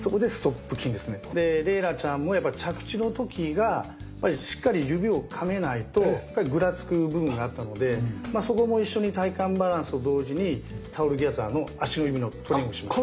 麗楽ちゃんも着地の時がしっかり指をかめないとぐらつく部分があったのでそこも一緒に体幹バランスと同時にタオルギャザーの足の指のトレーニングをしました。